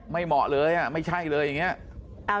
เหมาะเลยไม่ใช่เลยอย่างนี้